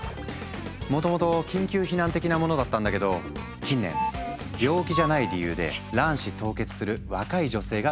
もともと緊急避難的なものだったんだけど近年病気じゃない理由で卵子凍結する若い女性が増加している。